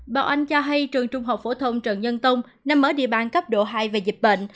bảo anh cho hay trường trung học phổ thông trần nhân tông nằm ở địa bàn cấp độ hai về dịch bệnh